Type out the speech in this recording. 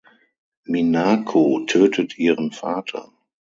Minako tötet ihren Vater.